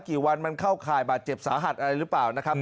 กี่วันมันเข้าข่ายบาดเจ็บสาหัสอะไรหรือเปล่านะครับ